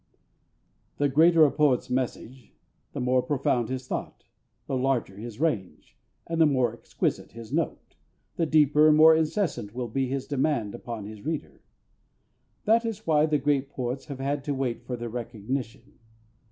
_ The greater a poet's message, the more profound his thought, the larger his range, and the more exquisite his note, the deeper and more incessant will be his demand upon his reader. That is why the great poets have had to wait for their recognition.